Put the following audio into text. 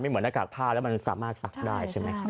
เหมือนหน้ากากผ้าแล้วมันสามารถซักได้ใช่ไหมครับ